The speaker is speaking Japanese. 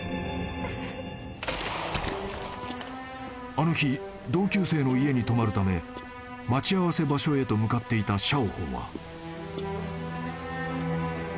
［あの日同級生の家に泊まるため待ち合わせ場所へと向かっていたシャオホンは］